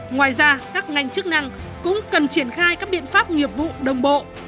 ngoài ra các ngành chức năng cũng cần triển khai các biện pháp nghiệp vụ đồng bộ